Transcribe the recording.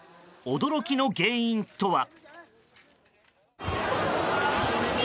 驚きの原因とは。